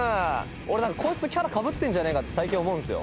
俺こいつとキャラかぶってんじゃねえかって最近思うんですよ。